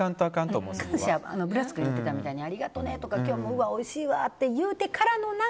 ブラス君が言っていたみたいにありがとねとか、おいしいわって言うてからのな。